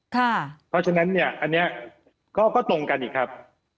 เพราะฉะนั้นเนี่ยอันนี้ก็ตรงกันอีกครับ